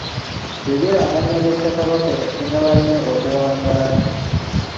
Yogera amannya ga Ssekabaka eyasinga banne okuwangaala.